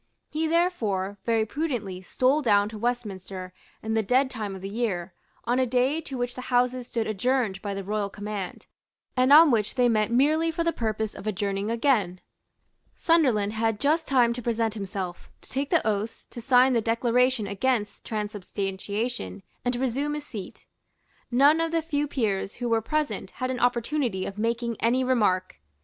He therefore, very prudently, stole down to Westminster, in the dead time of the year, on a day to which the Houses stood adjourned by the royal command, and on which they met merely for the purpose of adjourning again. Sunderland had just time to present himself, to take the oaths, to sign the declaration against transubstantiation, and to resume his seat. None of the few peers who were present had an opportunity of making any remark.